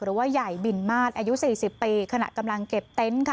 หรือว่าใหญ่บินมาตรอายุสี่สิบปีขณะกำลังเก็บเต็นต์ค่ะ